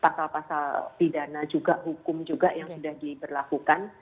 pasal pasal pidana juga hukum juga yang sudah diberlakukan